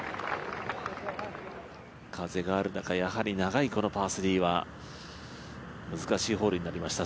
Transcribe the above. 風がある中、やはりこの長いパー３は難しいホールになりました。